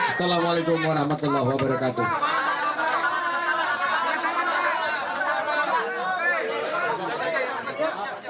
assalamualaikum warahmatullahi wabarakatuh